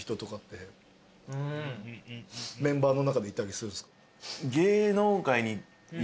メンバーの中でいたりするんですか？